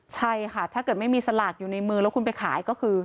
ใช่ค่ะถ้าเกิดไม่มีสลากอยู่ในมือแล้วคุณไปขายก็คือ